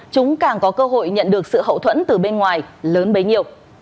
chúng càng có cơ hội nhận được sự hậu thuẫn từ bên ngoài lớn bấy nhiêu